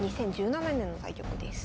２０１７年の対局です。